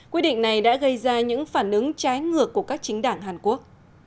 quy định này đã gây ra những phản ứng trái ngược của các chính đảng hàn quốc